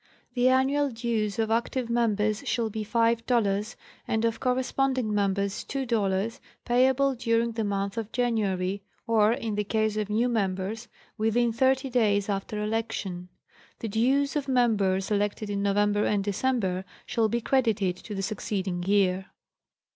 The annual dues of active members shall be five dollars, and of corresponding members two dollars, payable during the month of January, or, in the case of new members, within thirty days after election. The dues of members elected in November and December shall be credited to the succeeding year.